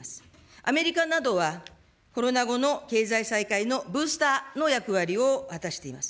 アメリカなどはコロナ後の経済再開のブースターの役割を果たしています。